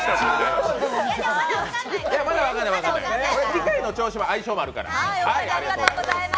機械の調子も、相性もあるから。